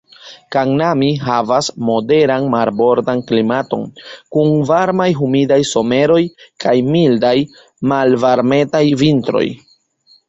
Kannami havas moderan marbordan klimaton, kun varmaj humidaj someroj kaj mildaj, malvarmetaj vintroj.